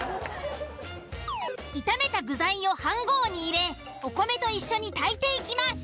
炒めた具材を飯ごうに入れお米と一緒に炊いていきます。